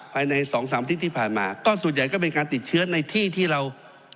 ภายในสองสามอาทิตย์ที่ผ่านมาก็ส่วนใหญ่ก็เป็นการติดเชื้อในที่ที่เรา